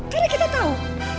karena kita tahu